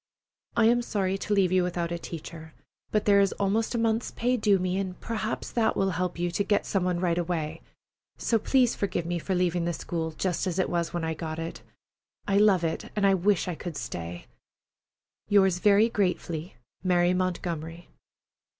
I am sorry to leave you without a teacher, but there is almost a month's pay due me, and perhaps that will help you to get some one right away. So please forgive me for leaving the school just as it was when I got it. I love it, and wish I could stay. Yours very gratefully, MARY MONTGOMERY.